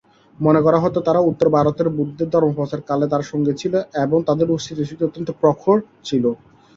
মনে করা হত, তাঁরা উত্তর ভারতে বুদ্ধের ধর্মপ্রচার কালে তাঁর সঙ্গী ছিলেন এবং তাঁদের স্মৃতিশক্তি অত্যন্ত প্রখর ছিল।